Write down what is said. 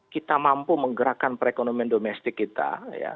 kita mampu menggerakkan perekonomian domestik kita